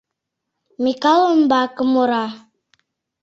Микале умбаке мура: